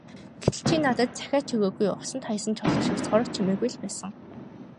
Гэтэл чи надад захиа ч өгөөгүй, усанд хаясан чулуу шиг сураг чимээгүй л байсан.